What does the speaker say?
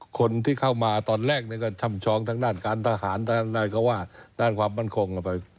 คนที่เข้ามาตอนแรกก็ช่ำชองทางด้านการทหารอะไรก็ว่าด้านความมั่นคง